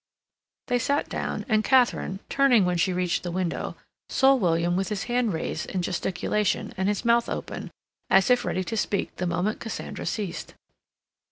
They sat down, and Katharine, turning when she reached the window, saw William with his hand raised in gesticulation and his mouth open, as if ready to speak the moment Cassandra ceased.